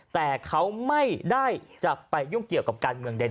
แต่เขาไม่ได้จะไปยุ่งเกี่ยวกับการเมืองใด